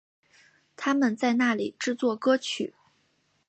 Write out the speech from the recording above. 他们在那里制作歌曲。